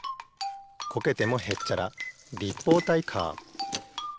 こけてもへっちゃら立方体カー。